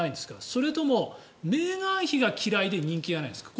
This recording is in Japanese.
それともメーガン妃が嫌いで人気がないんですか？